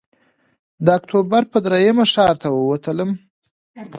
د اکتوبر پر درېیمه ښار ته ووتلم.